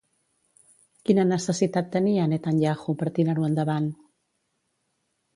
Quina necessitat tenia Netanyahu per tirar-ho endavant?